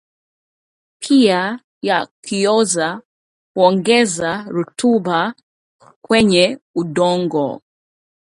pia yakioza huongeza rutuba kwenye udongo.